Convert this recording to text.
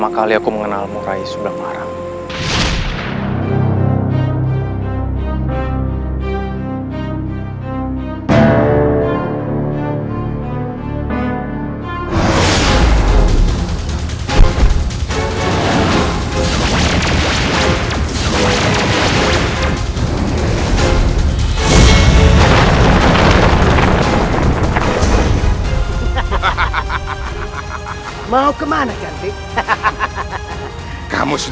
aku akan selalu mengingatkanmu kamu nih mas